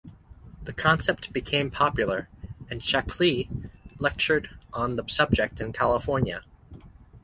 The concept became popular and Shaklee lectured on the subject in California.